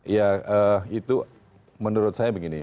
ya itu menurut saya begini